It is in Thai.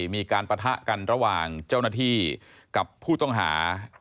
ปะทะกันระหว่างเจ้าหน้าที่กับผู้ต้องหา